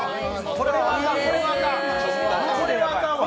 これはあかんわ。